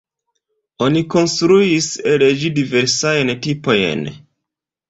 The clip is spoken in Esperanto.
Oni konstruis el ĝi diversajn tipojn.